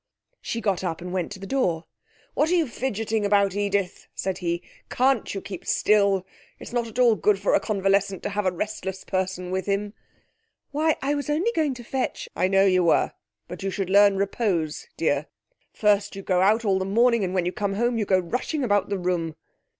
She got up and went to the door. 'What are you fidgeting about, Edith?' said he. 'Can't you keep still? It's not at all good for a convalescent to have a restless person with him.' 'Why, I was only going to fetch ' 'I know you were; but you should learn repose, dear. First you go out all the morning, and when you come home you go rushing about the room.'